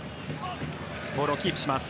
ボールをキープします。